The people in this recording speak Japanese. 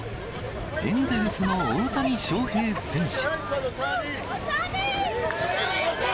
エンゼルスの大谷翔平選手。